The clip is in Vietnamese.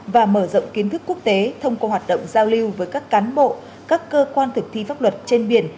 và mở rộng kiến thức quốc tế thông qua hoạt động giao lưu với các cán bộ các cơ quan thực thi pháp luật trên biển